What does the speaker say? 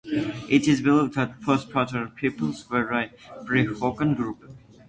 It is believed that Post Pattern peoples were a pre-Hokan group.